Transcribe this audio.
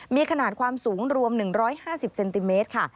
มีขนาดความสูงรวม๑๕๐เซนติเมตรค่ะ